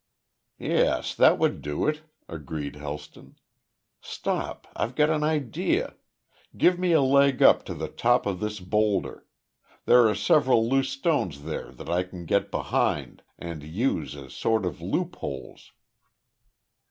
"Yes. That would do it," agreed Helston. "Stop. I've got an idea give me a leg up to the top of this boulder. There are several loose stones there that I can get behind, and use as sort of loopholes."